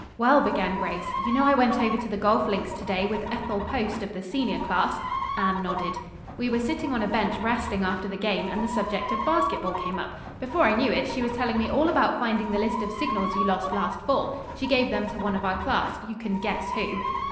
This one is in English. "Well," began Grace, "you know I went over to the golf links to day with Ethel Post of the senior class." Anne nodded. "We were sitting on a bench resting after the game, and the subject of basketball came up. Before I knew it, she was telling me all about finding the list of signals you lost last fall. She gave them to one of our class, you can guess who."